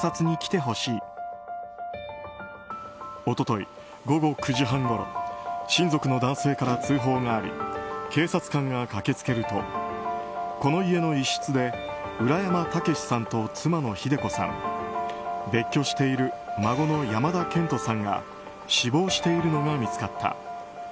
一昨日午後９時半ごろ親族の男性から通報があり警察官が駆け付けるとこの家の一室で浦山毅さんと妻の秀子さん別居している孫の山田健人さんが死亡しているのが見つかった。